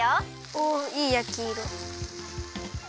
おいいやきいろ！